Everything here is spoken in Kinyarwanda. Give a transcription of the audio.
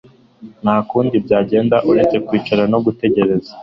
Nta kundi byagenda uretse kwicara no gutegereza